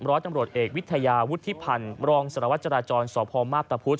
ร้อยตำรวจเอกวิทยาวุฒิพันธ์รองสารวัตรจราจรสพมาพตะพุธ